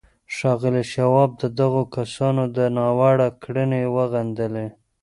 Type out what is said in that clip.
ښاغلي شواب د دغو کسانو دا ناوړه کړنې وغندلې.